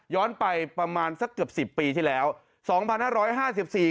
ไปประมาณสักเกือบสิบปีที่แล้วสองพันห้าร้อยห้าสิบสี่